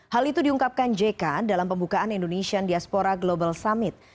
hal itu diungkapkan jk dalam pembukaan indonesian diaspora global summit